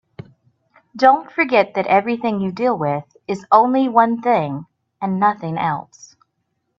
Don't forget that everything you deal with is only one thing and nothing else.